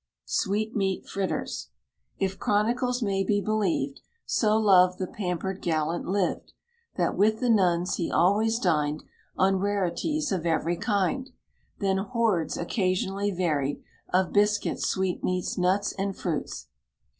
SWEETMEAT FRITTERS. If chronicles may be believed, So loved the pamper'd gallant lived, That with the nuns he always dined On rarities of every kind; Then hoards, occasionally varied, Of biscuits, sweetmeats, nuts, and fruits.